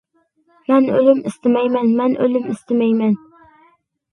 مەن ئۆلۈم ئىستىمەيمەن، مەن ئۆلۈم ئىستىمەيمەن.